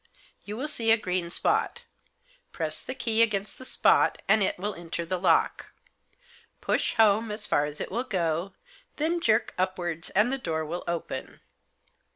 You will see a green spot Press the key against the spot and it will enter the lock. Push home as far as it will go, Digitized by 54 THE JOSS. then jerk upwards, and the door will open.